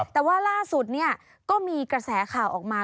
แต่ว่าล่าสุดเนี่ยก็มีกระแสข่าวออกมา